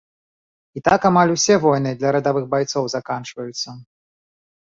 І так амаль усе войны для радавых байцоў заканчваюцца.